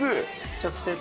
直接。